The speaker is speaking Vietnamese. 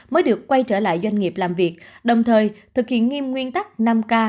mới được quay trở lại doanh nghiệp làm việc đồng thời thực hiện nghiêm nguyên tắc năm k